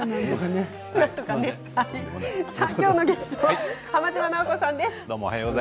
きょうのゲストは浜島直子さんです。